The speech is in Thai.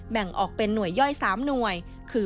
แบ่งออกเป็นหน่วยย่อย๓หน่วยคือ